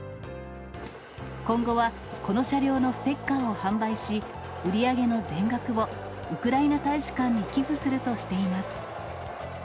今後はこの車両のステッカーを販売し、売り上げの全額をウクライナ大使館に寄付するとしています。